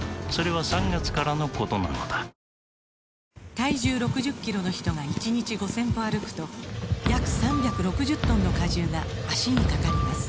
体重６０キロの人が１日５０００歩歩くと約３６０トンの荷重が脚にかかります